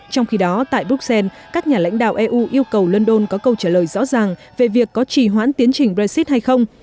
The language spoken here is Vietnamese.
trong khi đó tại bruxelles các nhà lãnh đạo eu yêu cầu london có câu trả lời rõ ràng về việc có trì hoãn tiến trình brexit hay không